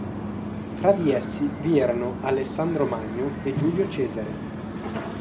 Tra di essi vi erano Alessandro Magno e Giulio Cesare.